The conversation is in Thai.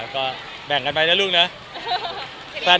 ก็แบ่งกันไปนะลูกเนาะ